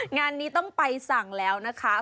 งานนี้ต้องไปสั่งแล้วนะคะ